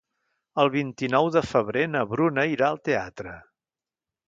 El vint-i-nou de febrer na Bruna irà al teatre.